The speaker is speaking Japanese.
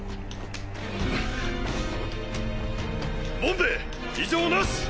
ボンベ異常ナシ。